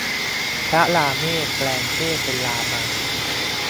พระราเมศแปลงเพศเป็นรามา